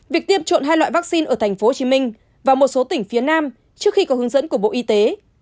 việc tiêm chọn hai loại vaccine ở tp hcm và một số tỉnh phía nam trước khi có hướng dẫn của bộ y tế